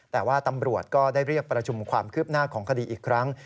แต่ว่าตำรวจก็ได้เรียกประชุมความคืบหน้าของคดีอีกครั้ง